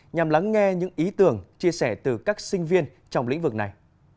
nhằm lắng nghe những ý tưởng chia sẻ từ các sinh viên trong lĩnh vực này